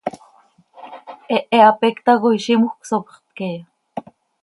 ¿Hehe hapéc tacoi zímjöc sopxöt queeya?